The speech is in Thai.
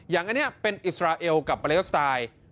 อย่างอันนี้เป็นอิสราเอลกับปาเลสไตล์